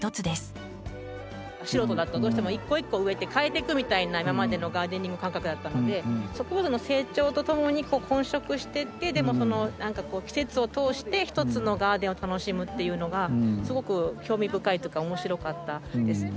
素人だとどうしても一個一個植えて替えていくみたいな今までのガーデニング感覚だったので植物の成長とともに混植してってでも季節を通して一つのガーデンを楽しむっていうのがすごく興味深いというか面白かったです。